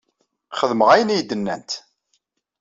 Xedmeɣ ayen iyi-d-nnant.